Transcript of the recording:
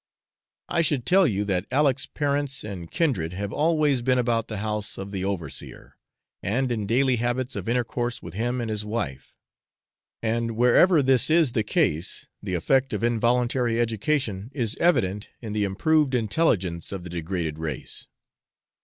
I should tell you that Aleck's parents and kindred have always been about the house of the overseer, and in daily habits of intercourse with him and his wife; and wherever this is the case the effect of involuntary education is evident in the improved intelligence of the degraded race.